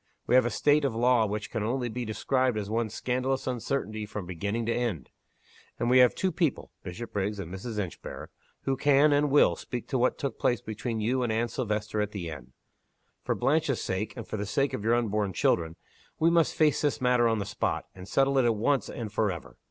We have a state of the law which can only be described as one scandalous uncertainty from beginning to end. And we have two people (Bishopriggs and Mrs. Inchbare) who can, and will, speak to what took place between you and Anne Silvester at the inn. For Blanche's sake, and for the sake of your unborn children, we must face this matter on the spot and settle it at once and forever.